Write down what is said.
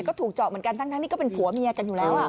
ก็ถูกเจาะเหมือนกันทั้งนี้ก็เป็นผัวเมียกันอยู่แล้ว